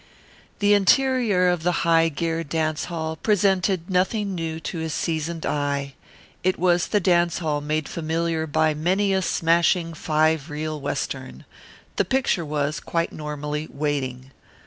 The interior of the High Gear Dance Hall presented nothing new to his seasoned eye. It was the dance hall made familiar by many a smashing five reel Western. The picture was, quite normally, waiting.